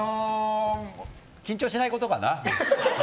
緊張しないことかな。